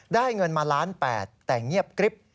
ได้เงินมาล้านแปดแต่เงียบกริ๊บ